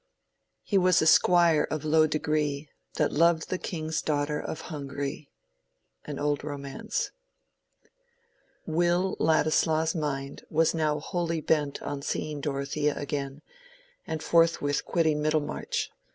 He was a squyer of lowe degre, That loved the king's daughter of Hungrie. —Old Romance. Will Ladislaw's mind was now wholly bent on seeing Dorothea again, and forthwith quitting Middlemarch.